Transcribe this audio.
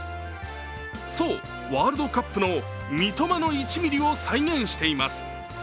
そう、ワールドカップの「三笘の１ミリ」を再現しています。